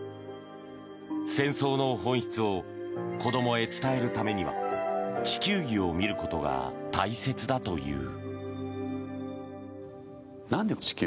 戦争の本質を子どもへ伝えるためには地球儀を見ることが大切だという。